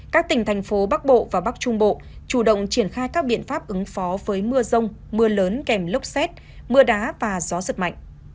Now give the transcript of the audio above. các tỉnh thành phố bắc bộ và bắc trung bộ chủ động triển khai các biện pháp ứng phó với mưa rông mưa lớn kèm lốc xét mưa đá và gió giật mạnh